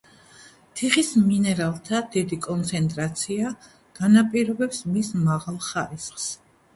თიხის მინერალთა დიდი კონცენტრაცია განაპირობებს მის მაღალ ხარისხს.